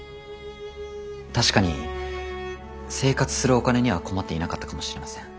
確かに生活するお金には困っていなかったかもしれません。